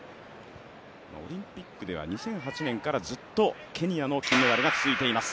オリンピックでは２００８年からずっとケニアの金メダルが続いています。